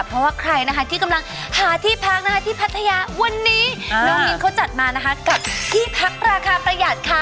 เพราะว่าใครนะคะที่กำลังหาที่พักนะคะที่พัทยาวันนี้น้องมินเขาจัดมานะคะกับที่พักราคาประหยัดค่ะ